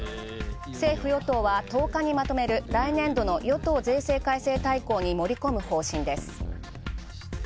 政府与党は１０日にまとめる来年度の与党税制改正大綱に盛り込む方針です。